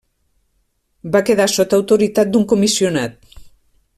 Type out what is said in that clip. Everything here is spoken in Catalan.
Va quedar sota autoritat d'un comissionat.